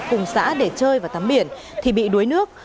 cùng xã để chơi và tắm biển thì bị đuối nước